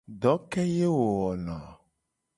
Do ke ye wo wona a o?